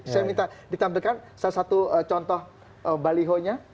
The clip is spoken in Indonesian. saya minta ditampilkan salah satu contoh baliho nya